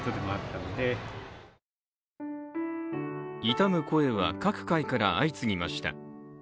悼む声は、各界から相次ぎました。